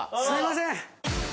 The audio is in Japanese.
すいません。